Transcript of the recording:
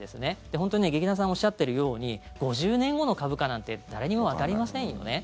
本当に、劇団さんがおっしゃっているように５０年後の株価なんて誰にもわかりませんよね。